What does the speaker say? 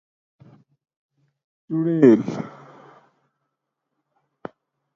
چُنڑیل: